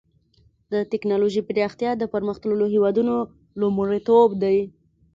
د ټکنالوجۍ پراختیا د پرمختللو هېوادونو لومړیتوب دی.